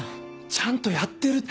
ちゃんとやってるって。